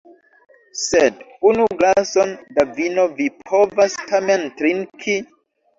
Sed unu glason da vino vi povas tamen trinki?